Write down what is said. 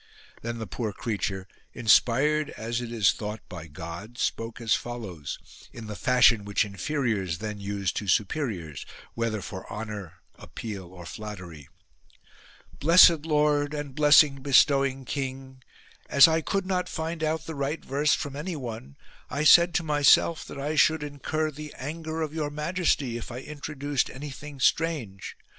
" Then the poor creature, inspired as it is thought by 67 THE NEW BISHOP God, spoke as follows, in the fashion which inferiors then used to superiors, whether for honour, appeal, or flattery :—" Blessed lord, and blessing bestowing king, as I could not find out the right verse from anyone, I said to myself that I should incur the anger of your majesty if I introduced anything strange.